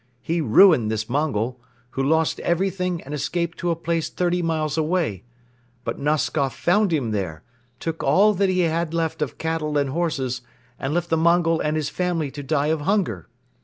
He ruined this Mongol, who lost everything and escaped to a place thirty miles away; but Noskoff found him there, took all that he had left of cattle and horses and left the Mongol and his family to die of hunger.